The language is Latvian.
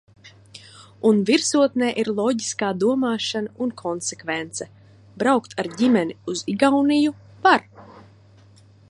Un virsotnē ir loģiskā domāšana un konsekvence. Braukt ar ģimeni uz Igauniju var.